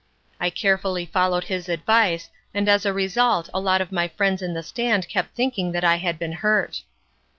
I carefully followed his advice and as a result a lot of my friends in the stand kept thinking that I had been hurt.